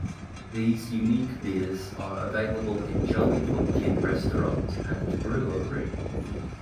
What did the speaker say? These unique beers are available in Jolly Pumpkin Restaurant and Brewery.